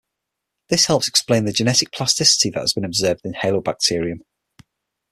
This helps explain the genetic plasticity that has been observed in "Halobacterium".